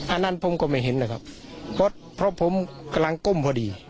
อันนั้นผมก็ไม่เห็นนะครับก็เพราะผมกำลังก้มพอดี